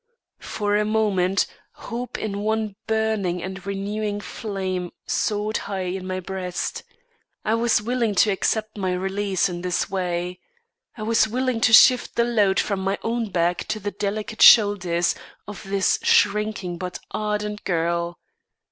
For a moment, hope in one burning and renewing flame soared high in my breast. I was willing to accept my release in this way. I was willing to shift the load from my own back to the delicate shoulders of this shrinking but ardent girl.